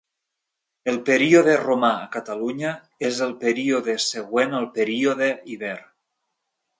El període romà a Catalunya és el període següent al període iber.